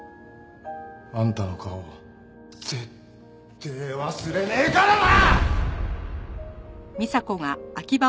あんたの顔絶対忘れねえからな！